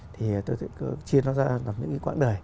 thì tôi sẽ chia nó ra làm những quãng đời